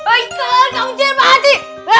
aduh gak bisa pak haji